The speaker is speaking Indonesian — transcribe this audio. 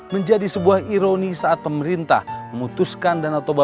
menjadi sebuah ironi saat pemerintah memutuskan danau toba